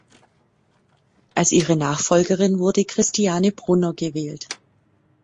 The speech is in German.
Als ihre Nachfolgerin wurde Christiane Brunner gewählt.